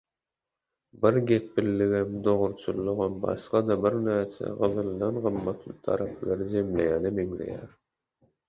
bir gepliligem, dogruçyllygam… başga-da birnäçe gyzyldan gymmatly taraplar jemlenýäne meňzeýär.